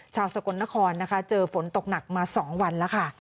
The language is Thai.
สกลนครนะคะเจอฝนตกหนักมา๒วันแล้วค่ะ